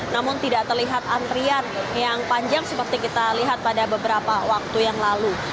namun tidak terlihat antrian yang panjang seperti kita lihat pada beberapa waktu yang lalu